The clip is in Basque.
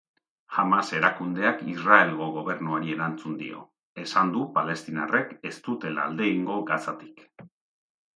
Hamas erakundeak Israelgo Gobernuari erantzun dio: esan du palestinarrek ez dutela alde egingo Gazatik.